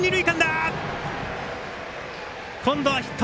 今度はヒット。